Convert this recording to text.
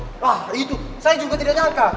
wah itu saya juga tidak nyangka